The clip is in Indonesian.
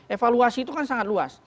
evaluasi itu kan sangat luas